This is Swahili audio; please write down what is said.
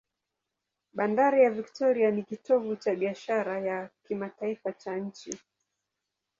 Bandari ya Victoria ni kitovu cha biashara ya kimataifa cha nchi.